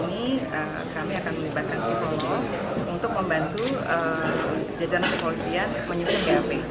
kami akan menyebabkan siapa saja untuk membantu jajanan kepolisian menyusun gap